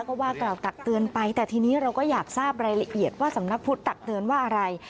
ก็ว่ากล่าวตักเตือนไปแต่ทีนี้เราก็อยากทราบรายละเอียดว่าสำนักพุทธตักเตือนว่าอะไร